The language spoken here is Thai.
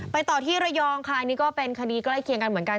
ต่อที่ระยองค่ะอันนี้ก็เป็นคดีใกล้เคียงกันเหมือนกัน